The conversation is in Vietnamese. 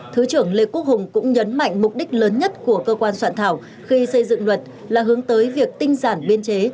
thứ trưởng lê quốc hùng cũng nhấn mạnh mục đích lớn nhất của cơ quan soạn thảo khi xây dựng luật là hướng tới việc tinh giản biên chế